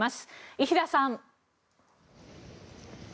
伊平さん。